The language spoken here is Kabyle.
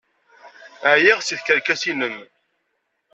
Ɛyiɣ seg tkerkas-nnem!